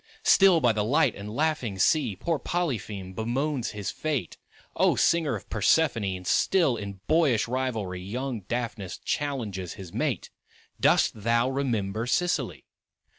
Still by the light and laughing sea Poor Polypheme bemoans his fate; O Singer of Persephone! And still in boyish rivalry Young Daphnis challenges his mate; Dost thou remember Sicily?